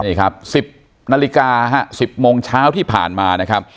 นี่ครับ๑๐นาฬิกา๑๐โมงเช้าที่ผ่านมานะครับ